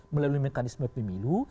melalui mekanisme pemilu